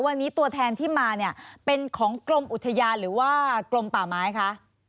วันนี้ตัวแทนที่มาเนี่ยเป็นของกรมอุทยานหรือว่ากลมป่าไม้คะ